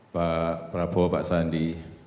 pak prabowo pak sandi